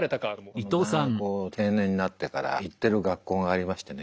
大学を定年になってから行ってる学校がありましてね。